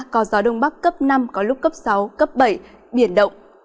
có gió đông bắc cấp năm có lúc cấp sáu cấp bảy biển động